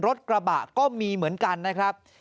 รถกระบะก็มีเหมือนกันนะครับ